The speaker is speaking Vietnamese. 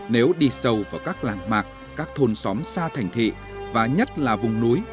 nếu đi sâu vào các làng mạc các thôn xóm xa thành thị và nhất là vùng núi